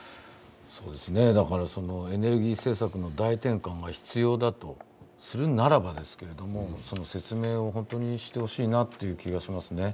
エネルギー政策の大転換が必要だとするならばですけれども、説明を本当にしてほしいなという気がしますね。